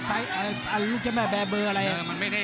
อันลุกเจ้าแม่แบ่เบอร์อะไร